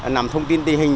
nằm thông tin tình hình